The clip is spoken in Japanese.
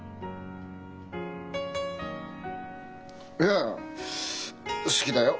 いや好きだよ。